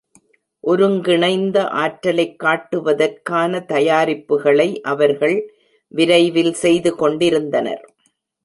ஒருங்கிணைந்த ஆற்றலைக் காட்டுவதற்கான தயாரிப்புகளை அவர்கள் விரைவில் செய்து கொண்டிருந்தனர்.